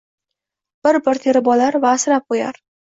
bir-bir terib olar va asrab qoʼyar